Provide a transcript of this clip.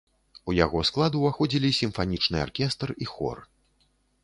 У яго склад уваходзілі сімфанічны аркестр і хор.